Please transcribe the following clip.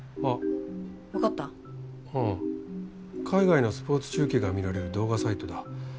海外のスポーツ中継が見られる動画サイトだ。